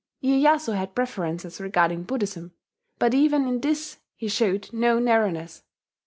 Iyeyasu had preferences regarding Buddhism; but even in this he showed no narrowness.